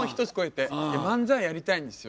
漫才やりたいんですよ。